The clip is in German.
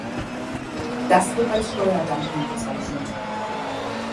Das wird als Steuerdumping bezeichnet.